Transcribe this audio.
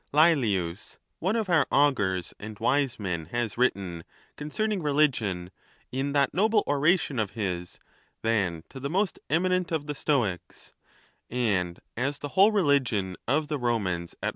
Laelius, one of our augurs and wise men, has written concerning religion, in that noble oration of his, than to the most eminent of the Stoics : and as the whole religion of the Romans at 320 THE NATURE OF THE GODS.